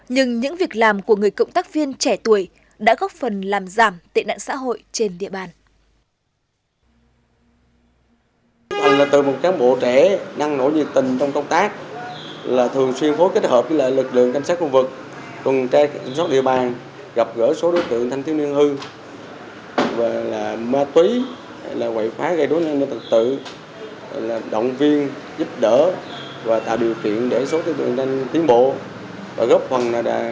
nhưng những việc làm của người cộng tác viên trẻ tuổi đã góp phần làm giảm tệ nạn xã hội trên địa bàn